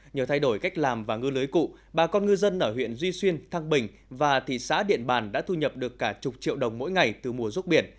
nhờ thay đổi cách làm và ngư lưới cụ bà con ngư dân ở huyện duy xuyên thăng bình và thị xã điện bàn đã thu nhập được cả chục triệu đồng mỗi ngày từ mùa ruốc biển